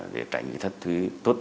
để tránh thất thú